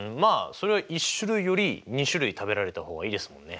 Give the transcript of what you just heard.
そりゃ１種類より２種類食べられた方がいいですもんね。